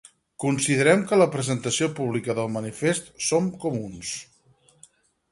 Considerem que la presentació pública del manifest Som comuns.